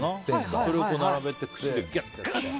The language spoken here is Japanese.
それを並べて、串でギュッと。